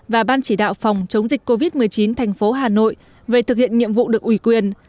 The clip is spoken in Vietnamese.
và ban chỉ đạo phòng chống dịch covid một mươi chín thành phố hà nội về thực hiện nhiệm vụ được ủy quyền